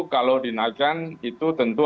kalau dinaikkan itu tentu